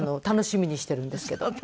楽しみにしてるんですけど。